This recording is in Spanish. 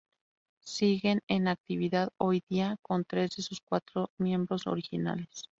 Siguen en actividad hoy día, con tres de sus cuatros miembros originales.